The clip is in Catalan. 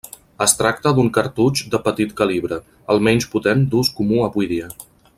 Es tracta d'un cartutx de petit calibre, el menys potent d'ús comú avui dia.